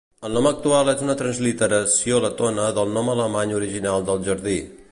El nom actual és una transliteració letona del nom alemany original del jardí.